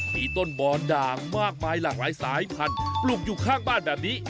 มีต้นบอนด่างมากมายหลากหลายสายพันธุ์ปลูกอยู่ข้างบ้านแบบนี้